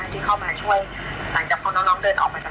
ที่เข้ามาช่วยหลังจากพอน้องเดินออกมาจาก